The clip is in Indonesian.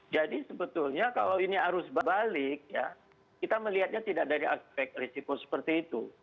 jadi sebetulnya kalau ini harus balik kita melihatnya tidak dari aspek resiko seperti itu